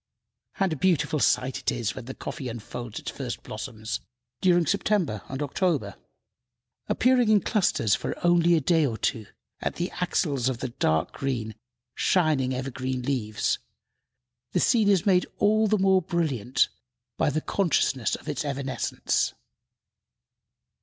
And a beautiful sight it is when the coffee unfolds its first blossoms during September and October! Appearing in clusters only for a day or two at the axils of the dark green, shining, evergreen leaves, the scene is made all the more brilliant by the consciousness of its evanescence.